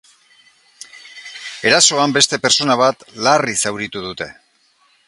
Erasoan beste pertsona bat larri zauritu dute.